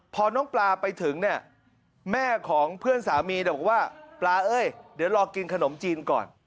พอน้องปลาไปถึงเนี่ยแม่ของเพื่อนสามีบอกว่าปลาเอ้ยเดี๋ยวรอกินขนมจีนก่อน